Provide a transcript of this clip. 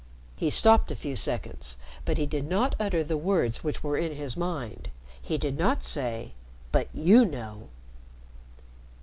He stopped a few seconds, but he did not utter the words which were in his mind. He did not say: "But you know."